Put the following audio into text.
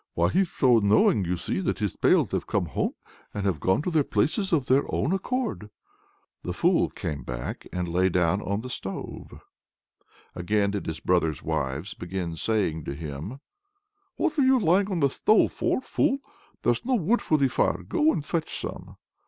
"Why, he's so knowing, you see, that his pails have come home and gone to their places of their own accord!" The fool came back and lay down on the stove. Again did his brothers' wives begin saying to him "What are you lying on the stove for, fool? there's no wood for the fire; go and fetch some."